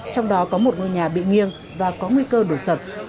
trong đó có một ngôi nhà bị nghiêng và có nguy cơ đổ sập